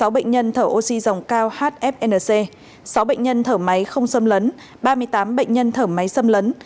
sáu bệnh nhân thở oxy dòng cao hfnc sáu bệnh nhân thở máy không xâm lấn ba mươi tám bệnh nhân thở máy xâm lấn